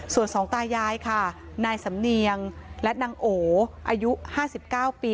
ส่วนสองตายายค่ะนายสำเนียงและนางโออายุ๕๙ปี